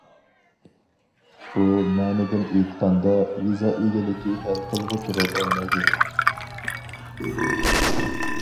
بۇ مەنىدىن ئېيتقاندا، يېزا ئىگىلىكى ھەل قىلغۇچ رول ئوينايدۇ.